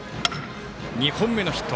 ２本目のヒット。